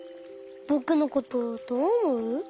ぼくのことどうおもう？